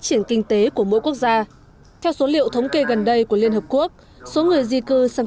triển kinh tế của mỗi quốc gia theo số liệu thống kê gần đây của liên hợp quốc số người di cư sang